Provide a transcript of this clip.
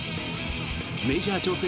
メジャー挑戦